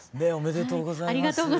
おめでとうございます。